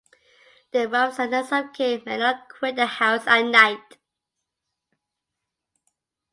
Their wives and next-of-kin may not quit the house at night.